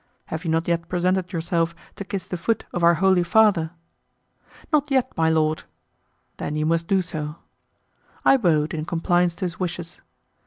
You have not yet presented yourself to kiss the foot of our Holy Father?" "Not yet, my lord." "Then you must do so." I bowed in compliance to his wishes.